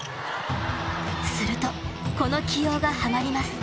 すると、この起用がはまります。